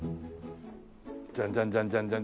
ジャンジャンジャンジャン！